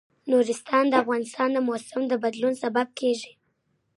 نورستان د افغانستان د موسم د بدلون سبب کېږي.